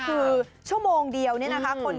คลิปนี้แหละกักตุ๋น